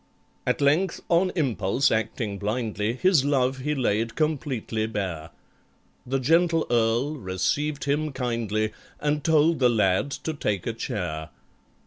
At length on impulse acting blindly, His love he laid completely bare; The gentle Earl received him kindly And told the lad to take a chair.